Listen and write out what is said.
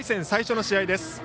最初の試合です。